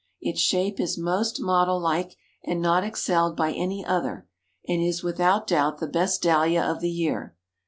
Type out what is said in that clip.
"Its shape is most model like, and not excelled by any other, and is without doubt the best Dahlia of the year."